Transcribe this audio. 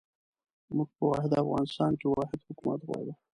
موږ په واحد افغانستان کې واحد حکومت غواړو.